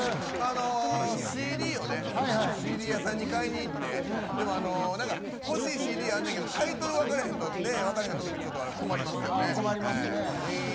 ＣＤをねＣＤ屋さんに買いに行って欲しいＣＤあんねんけどタイトル分からへんとき困りますね。